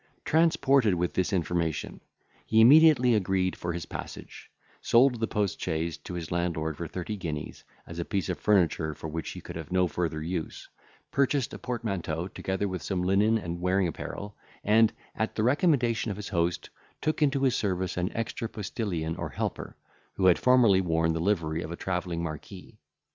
Transported with this information, he immediately agreed for his passage, sold the post chaise to his landlord for thirty guineas, as a piece of furniture for which he could have no further use, purchased a portmanteau, together with some linen and wearing apparel, and, at the recommendation of his host, took into his service an extra postillion or helper, who had formerly worn the livery of a travelling marquis.